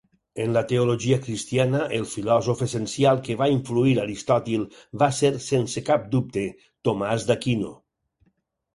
En la teologia cristiana, el filòsof essencial que va influir Aristòtil va ser, sense cap dubte, Tomàs d'Aquino.